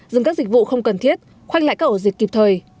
dừng các dịch vụ không cần thiết khoanh lại các ổ dịch kịp thời